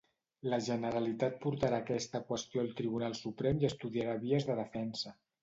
La Generalitat portarà aquesta qüestió al Tribunal Suprem i estudiarà vies de defensa.